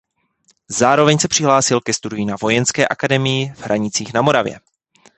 Zároveň se přihlásil ke studiu na Vojenské akademii v Hranicích na Moravě.